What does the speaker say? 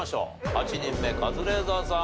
８人目カズレーザーさん